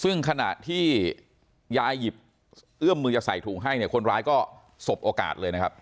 ซึ่งขณะที่ยายหยิบเอื้อมมือจะใส่ถุงให้เนี่ยคนร้ายก็สบโอกาสเลยนะครับ